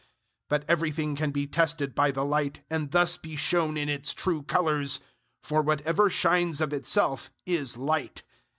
005:013 But everything can be tested by the light and thus be shown in its true colors; for whatever shines of itself is light.